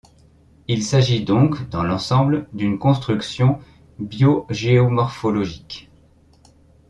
Il s'agit donc, dans l'ensemble, d'une construction biogéomorphologique.